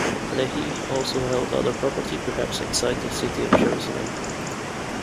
Lehi also held other property, perhaps outside the city of Jerusalem.